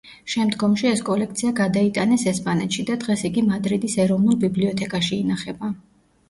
შემდგომში ეს კოლექცია გადაიტანეს ესპანეთში და დღეს იგი მადრიდის ეროვნულ ბიბლიოთეკაში ინახება.